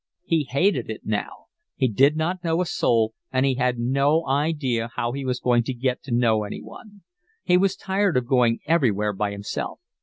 He hated it now. He did not know a soul, and he had no idea how he was to get to know anyone. He was tired of going everywhere by himself.